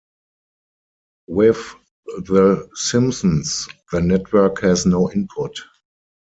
With "The Simpsons" the network has no input.